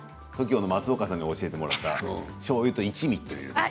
ＴＯＫＩＯの松岡さんに教えてもらった、しょうゆと一味。